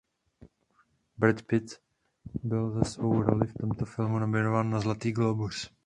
Brad Pitt byl za svou roli v tomto filmu nominován na Zlatý glóbus.